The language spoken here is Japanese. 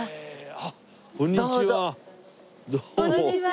あっこんにちは。